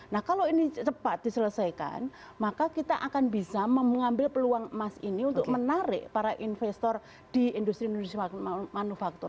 nah kalau ini cepat diselesaikan maka kita akan bisa mengambil peluang emas ini untuk menarik para investor di industri industri manufaktur